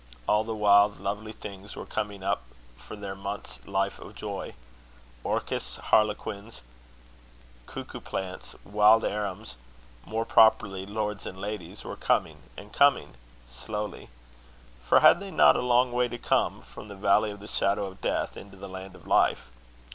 All the wild lovely things were coming up for their month's life of joy. Orchis harlequins, cuckoo plants, wild arums, more properly lords and ladies, were coming, and coming slowly; for had they not a long way to come, from the valley of the shadow of death into the land of life?